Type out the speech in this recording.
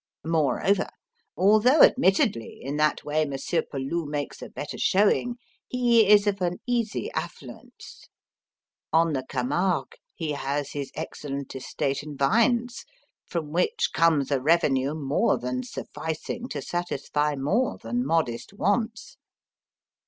Moreover although, admittedly, in that way Monsieur Peloux makes a better showing he is of an easy affluence. On the Camargue he has his excellent estate in vines, from which comes a revenue more than sufficing to satisfy more than modest wants.